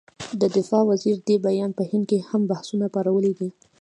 د دفاع وزیر دې بیان په هند کې هم بحثونه پارولي دي.